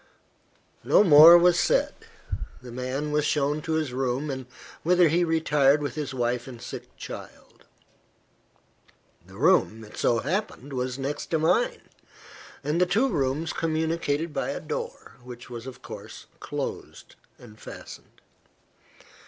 No more was said. The man was shown to his room, whither he retired with his wife and sick child. The room, it so happened, was next to mine, and the two rooms communicated by a door, which was of course closed and fastened.